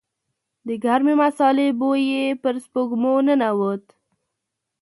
د ګرمې مسالې بوی يې پر سپږمو ننوت.